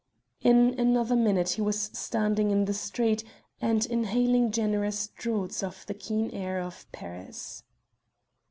In another minute he was standing in the street, and inhaling generous draughts of the keen air of Paris.